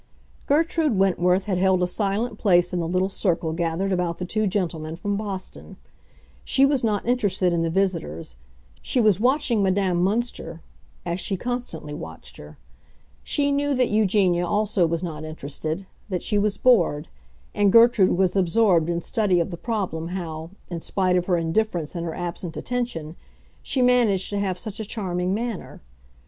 Gertrude Wentworth had held a silent place in the little circle gathered about the two gentlemen from Boston. She was not interested in the visitors; she was watching Madame Münster, as she constantly watched her. She knew that Eugenia also was not interested—that she was bored; and Gertrude was absorbed in study of the problem how, in spite of her indifference and her absent attention, she managed to have such a charming manner.